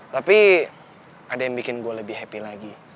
tapi ada yang bikin gue lebih happy lagi